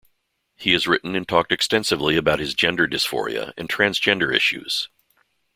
He has written and talked extensively about his gender dysphoria and transgender issues.